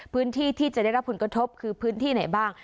พื้นที่ที่จะได้รับผลกระทบคือพื้นที่ไหนบ้าง